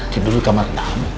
tidur di kamar tamu